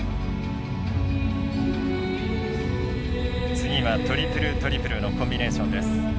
次はトリプルトリプルのコンビネーションです。